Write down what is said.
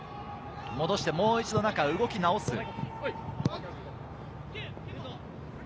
戻してもう一度中、動き直す。